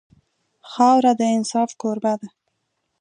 خاوره د انصاف کوربه ده.